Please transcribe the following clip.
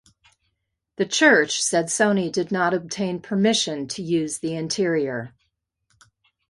The Church said Sony did not obtain permission to use the interior.